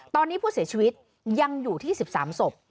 ตอนนี้ผู้เสียชีวิตยังอยู่ที่๑๓ศพ